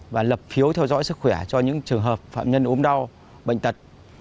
và lập phiếu theo dõi sức khỏe cho những trường hợp phạm nhân ốm đau bệnh tật